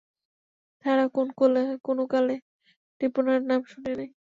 তাহারা কোনো কালে ত্রিপুরার নাম শুনে নাই।